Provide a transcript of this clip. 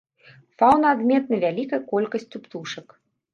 Фаўна адметна вялікай колькасцю птушак.